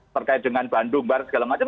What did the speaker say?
terkait dengan bandung barat segala macam